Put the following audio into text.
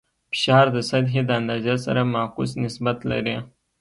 فشار د سطحې د اندازې سره معکوس نسبت لري.